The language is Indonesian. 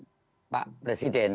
pak prabowo dan pak presiden